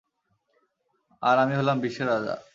আর আমি হলাম বিশ্বের রাজা।